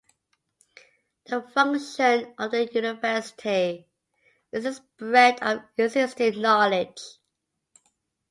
The function of the university is the spread of existing knowledge.